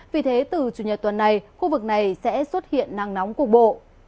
vì thế từ chủ nhật tuần này khu vực này sẽ xuất hiện nắng nóng cục bộ